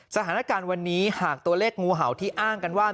สถานการณ์วันนี้หากตัวเลขงูเห่าที่อ้างกันว่า